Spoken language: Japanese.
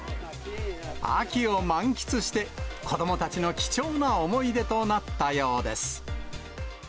秋を満喫して、子どもたちの貴重な思い出となったようです。